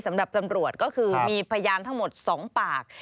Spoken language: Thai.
สำหรับตำรวจก็คือมีพยานทั้งหมด๒ปาก